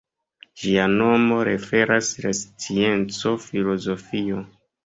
Ĝia nomo referas la scienco filozofio.